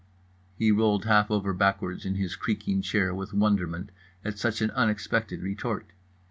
_" He rolled half over backwards in his creaking chair with wonderment at such an unexpected retort.